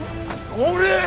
乗れ？